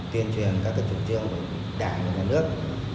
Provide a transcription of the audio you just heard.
tuyên truyền các tổ chức trung trương của đảng và nhà nước